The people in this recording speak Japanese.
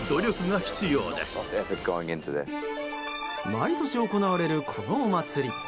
毎年行われる、このお祭り。